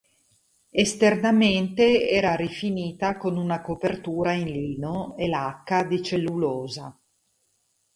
Esternamente era rifinita con una copertura in lino e lacca di cellulosa.